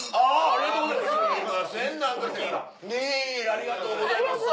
ありがとうございます。